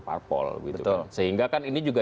parpol gitu sehingga kan ini juga